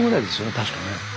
確かね。